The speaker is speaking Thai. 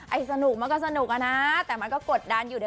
สนุกมันก็สนุกอะนะแต่มันก็กดดันอยู่เ